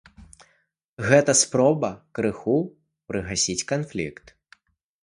Гэта спроба крыху прыгасіць канфлікт.